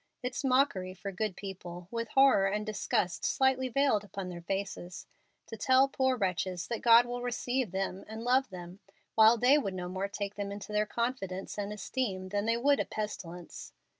It's mockery for good people, with horror and disgust slightly veiled upon their faces, to tell poor wretches that God will receive them and love them, while they would no more take them into their confidence and esteem than they would a pestilence.